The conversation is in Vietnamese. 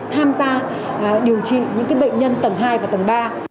tham gia điều trị những bệnh nhân tầng hai và tầng ba